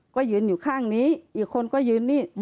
ก็ยืนอยู่ข้างนี้อีกคนก็ยืนนี่